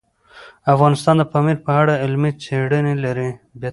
افغانستان د پامیر په اړه علمي څېړنې لري.